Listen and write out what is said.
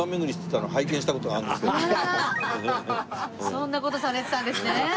そんな事されてたんですね。